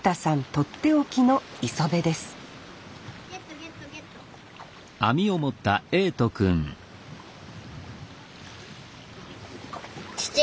取って置きの磯辺です父？